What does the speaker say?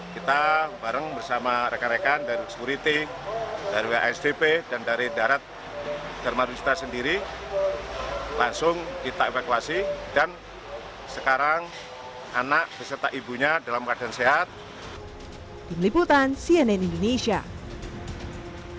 kita evakuasi dan sekarang anak beserta ibunya dalam keadaan sehat